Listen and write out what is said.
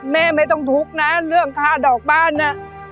แม่ไม่ต้องทุกข์นะเรื่องค่าดอกบ้านน่ะ